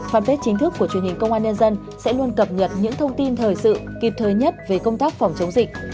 fanpage chính thức của truyền hình công an nhân dân sẽ luôn cập nhật những thông tin thời sự kịp thời nhất về công tác phòng chống dịch